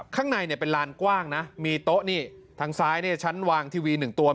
ข้างในเป็นลานกว้างนะมีโต๊ะทางซ้ายชั้นวางทีวีหนึ่งตัว